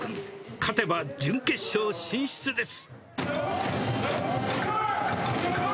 勝てば準決勝進出です。